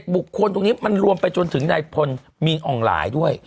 บุคคลตรงนี้มันรวมไปจนถึงนายพลมีนอ่องหลายด้วย